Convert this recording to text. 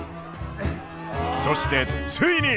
そしてついに。